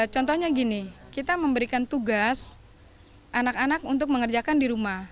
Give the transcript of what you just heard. contohnya gini kita memberikan tugas anak anak untuk mengerjakan di rumah